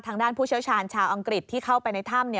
ทางด้านผู้เชื้อชาญชาวอังกฤษที่เข้าไปในถ้ำ